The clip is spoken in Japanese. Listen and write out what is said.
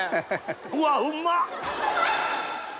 うわうまっ。